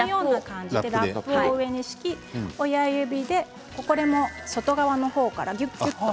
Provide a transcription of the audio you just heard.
ラップを上に敷いて親指でこれも外側の方からぎゅっと。